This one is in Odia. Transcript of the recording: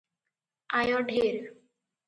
ଆୟ ଢେର ।